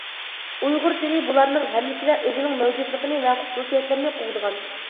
ئۇيغۇر تىلى بۇلارنىڭ ھەممىسىدە ئۆزىنىڭ مەۋجۇتلۇقىنى ۋە خۇسۇسىيەتلىرىنى قوغدىغان.